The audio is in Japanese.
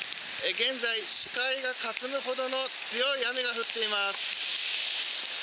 現在、視界がかすむほどの強い雨が降っています。